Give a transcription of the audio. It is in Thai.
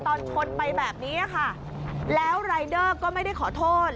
ตอนชนไปแบบนี้ค่ะแล้วรายเดอร์ก็ไม่ได้ขอโทษ